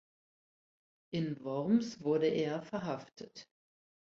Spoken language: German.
In Worms wurde er verhaftet.